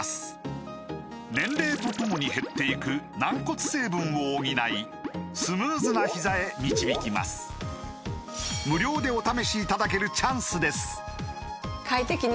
年齢とともに減っていく軟骨成分を補いスムーズなひざへ導きます無料でお試しいただけるチャンスです